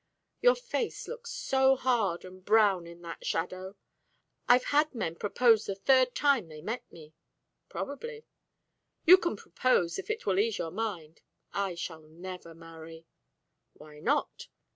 "Your face looks so hard and brown in that shadow. I've had men propose the third time they met me." "Probably." "You can propose, if it will ease your mind. I shall never marry." "Why not?"